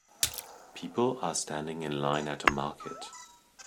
People are standing in line at a market.